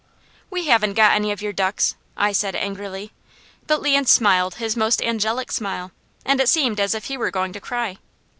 "We haven't got any of your ducks," I said angrily, but Leon smiled his most angelic smile, and it seemed as if he were going to cry.